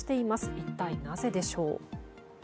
一体なぜでしょう。